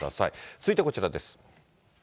続いてこちらです。